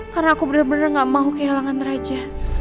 karena aku benar benar gak mau kehilangan raja